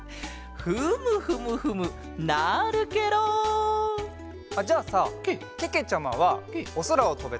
フムフムフムなるケロ！じゃあさけけちゃまはおそらをとべたらなにがしたい？